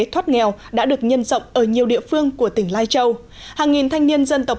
thoát nghèo đã được nhân rộng ở nhiều địa phương của tỉnh lai châu hàng nghìn thanh niên dân tộc